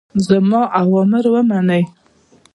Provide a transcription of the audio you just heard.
زما اوامر ومنئ.